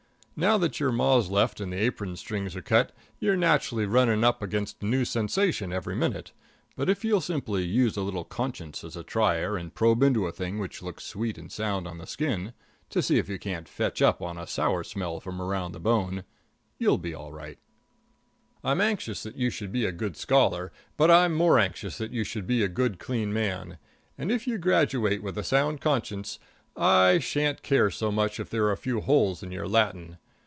Now that your Ma's left and the apron strings are cut, you're naturally running up against a new sensation every minute, but if you'll simply use a little conscience as a tryer, and probe into a thing which looks sweet and sound on the skin, to see if you can't fetch up a sour smell from around the bone, you'll be all right. [Illustration: "Old Doc Hoover asked me right out in Sunday School if I didn't want to be saved."] I'm anxious that you should be a good scholar, but I'm more anxious that you should be a good clean man. And if you graduate with a sound conscience, I shan't care so much if there are a few holes in your Latin.